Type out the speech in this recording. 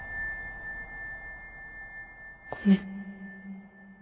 ごめん。